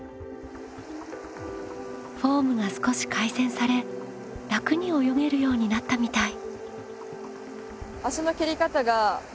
フォームが少し改善され楽に泳げるようになったみたい。